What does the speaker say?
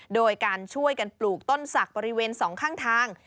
โดยการช่วยกันปลูกต้นศักดิ์บริเวณสองข้างทาง